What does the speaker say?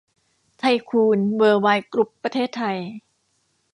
ไทยคูน เวิลด์ไวด์ กรุ๊ป ประเทศไทย